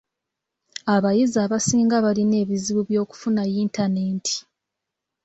Abayizi abasinga balina ebizibu by'okufuna yintaneeti.